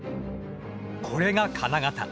これが金型。